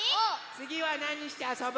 つぎはなにしてあそぶ？